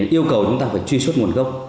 yêu cầu chúng ta phải truy xuất nguồn gốc